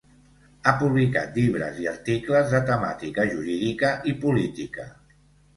Ha publicat llibres i articles de temàtica jurídica i política.